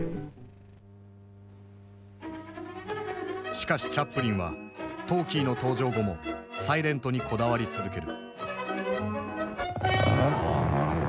しかしチャップリンはトーキーの登場後もサイレントにこだわり続ける。